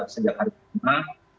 sejak hari pertama